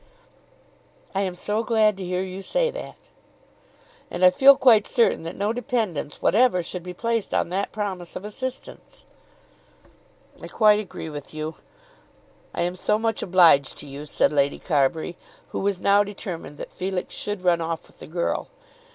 "I am so glad to hear you say that." "And I feel quite certain that no dependence whatever should be placed on that promise of assistance." "I quite agree with you. I am so much obliged to you," said Lady Carbury, who was now determined that Felix should run off with the girl.